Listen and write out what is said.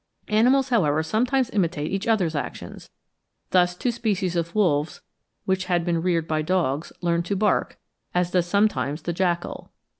Animals, however, sometimes imitate each other's actions: thus two species of wolves, which had been reared by dogs, learned to bark, as does sometimes the jackal (16.